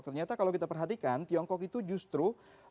ternyata kalau kita perhatikan tiongkok itu justru